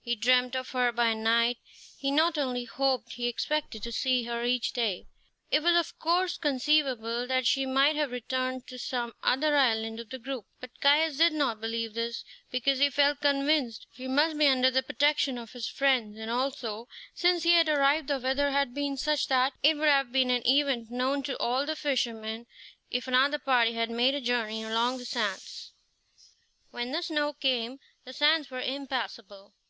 He dreamed of her by night; he not only hoped, he expected to see her each day. It was of course conceivable that she might have returned to some other island of the group; but Caius did not believe this, because he felt convinced she must be under the protection of his friends; and also, since he had arrived the weather had been such that it would have been an event known to all the fishermen if another party had made a journey along the sands. When the snow came the sands were impassable.